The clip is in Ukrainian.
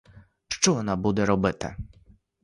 Що вона буде робити?